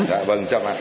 dạ vâng chào mừng